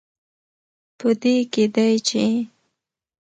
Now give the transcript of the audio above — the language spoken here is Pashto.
په دې کې دی، چې